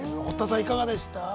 堀田さん、いかがでした。